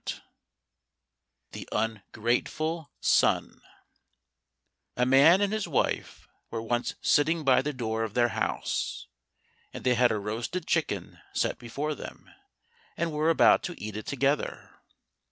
145 The Ungrateful Son A man and his wife were once sitting by the door of their house, and they had a roasted chicken set before them, and were about to eat it together.